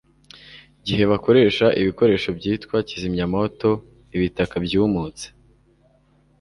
gihe bakoresha ibikoresho byitwa kizimyamwoto, ibitaka byumutse